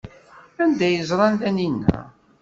Anda ay ẓran Taninna?